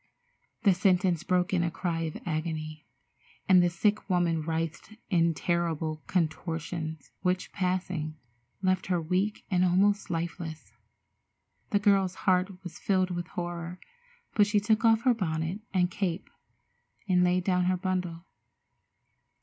The sentence broke in a cry of agony, and the sick woman writhed in terrible contortions, which, passing, left her weak and almost lifeless. The girl's heart was filled with horror, but she took off her bonnet and cape and laid down her bundle.